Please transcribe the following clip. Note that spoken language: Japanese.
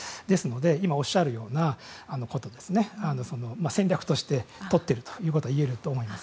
今おっしゃるようなことで戦略としてとっているということが言えると思います。